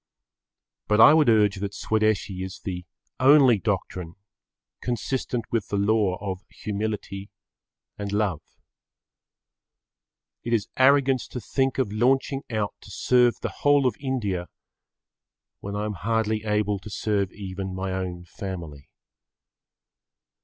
But I would urge that Swadeshi[Pg 18] is the only doctrine consistent with the law of humility and love. It is arrogance to think of launching out to serve the whole of India when I am hardly able to serve even my own family.